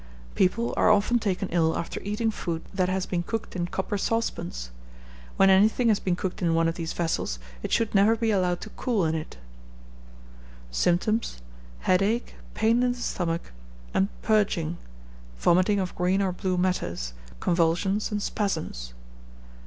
People are often taken ill after eating food that has been cooked in copper saucepans. When anything has been cooked in one of these vessels, it should never be allowed to cool in it. Symptoms. Headache, pain in the stomach, and purging; vomiting of green or blue matters, convulsions, and spasms.